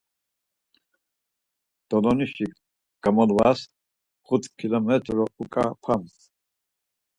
Dolonişi gamolvas xut kilomet̆ro uǩap̌ams.